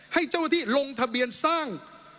ให้เจ้าหน้าที่ลงทะเบียนสร้าง